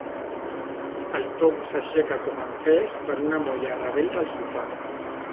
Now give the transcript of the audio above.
El Tom s'aixeca com empès per una molla rebel del sofà.